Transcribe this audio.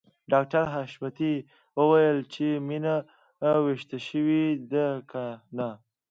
ډاکټر حشمتي وويل چې مينه ويښه شوې ده که نه